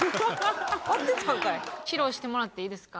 披露してもらっていいですか？